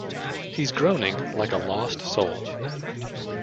He's groaning like a lost soul.